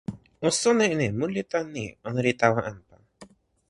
o sona e ni: mun li tan ni: ona li tawa anpa.